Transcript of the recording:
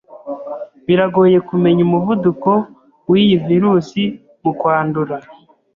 Biragoye kumenya umuvuduko w'iyi virus mu kwandura,